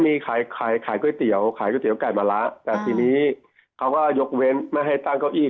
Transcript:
มีขายขายก๋วยเตี๋ยวขายก๋วเตี๋ไก่มะละแต่ทีนี้เขาก็ยกเว้นไม่ให้ตั้งเก้าอี้